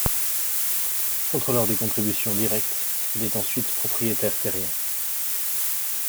Contrôleur des contributions directes, il est ensuite propriétaire terrien.